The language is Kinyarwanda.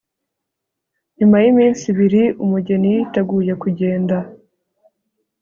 nyuma y'iminsi ibiri, umugeni yiteguye kugenda